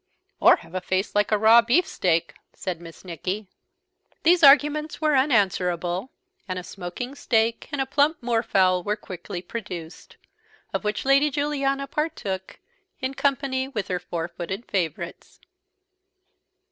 "Or have a face like a raw beef steak!" said Miss Nicky. These arguments were unanswerable; and a smoking steak and plump moor fowl were quickly produced, of which Lady Juliana partook in company with her four footed favourites.